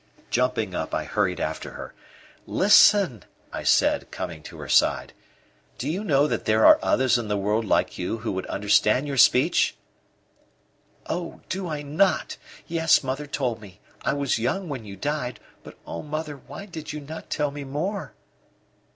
Jumping up, I hurried after her. "Listen!" I said, coming to her side. "Do you know that there are others in the world like you who would understand your speech?" "Oh, do I not! Yes mother told me. I was young when you died, but, O mother, why did you not tell me more?"